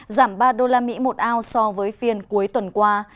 giảm ba usd một ao so với phiên cuối tuần qua